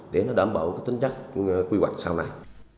để nó đảm bảo cái tính chất quy hoạch sau này